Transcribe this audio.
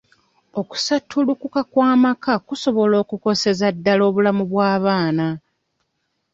Okusattulukuka lwa kw'amaka kusobola okukoseza ddala obulamu bw'abaana.